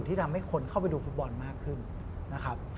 ที่ทำให้คนเข้าไปดูฟุตบอลมากขึ้นนะครับ